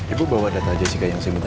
ibu bawa data jessica yang saya minta